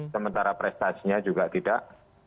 sementara prestasinya juga tidak